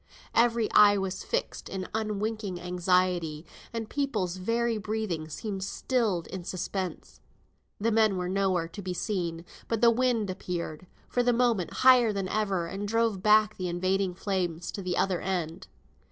Every eye was fixed in unwinking anxiety, and people's very breathing seemed stilled in suspense. The men were nowhere to be seen, but the wind appeared, for the moment, higher than ever, and drove back the invading flames to the other end.